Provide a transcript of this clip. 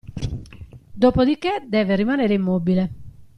Dopodichè deve rimanere immobile.